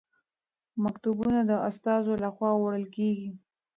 مکتوبونه د استازو لخوا وړل کیږي.